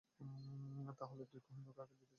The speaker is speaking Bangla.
তাহলে তুই কোহিনূর কাকে দিতে চাচ্ছিলি?